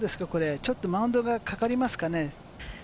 ちょっとマウンドがかかりますかね。